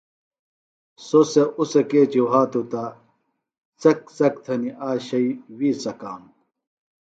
سوۡ سےۡ اُڅہ کیچیۡ وھاتوۡ تہ څک څک تھنی آک شئیۡ وِی څکانوۡ